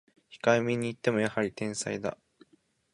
控えめに言ってもやはり天才だ